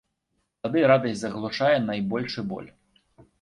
Тады радасць заглушае найбольшы боль.